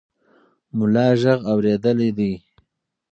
ملا غږ اورېدلی دی.